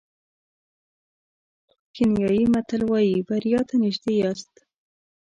کینیايي متل وایي بریا ته نژدې یاست.